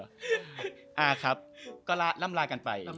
อ่าครับก็ล่ำลากันไป